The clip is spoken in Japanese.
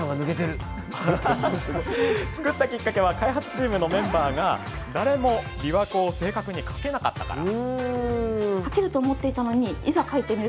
作ったきっかけは開発チームのメンバーが誰も琵琶湖を正確に描けなかったから。